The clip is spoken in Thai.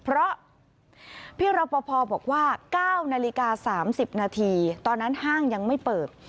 เพราะพี่รปภบอกว่า๙นาฬิกา๓๐นาทีตอนนั้นห้างยังไม่เปิด